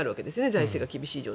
財政が厳しい以上。